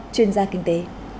chuyên gia kinh tế